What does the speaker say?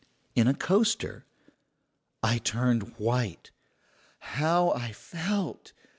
"'In a coaster.' "I turned white. How I felt!